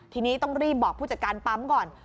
ทีนี้ต้องรีบบอกผู้จัดการปั๊มก่อน